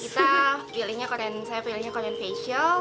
jadi kita pilihnya koreen saya pilihnya koreen facial